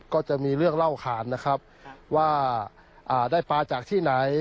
ก็จะมีเรื่องเล่าขานนะครับว่าได้ปลาจากที่ไหน